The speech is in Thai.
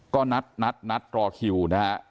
ก็นัดรอคิวนะฮะ